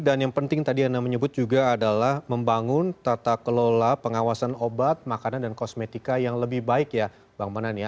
dan yang penting tadi yang anda menyebut juga adalah membangun tata kelola pengawasan obat makanan dan kosmetika yang lebih baik ya bang manan ya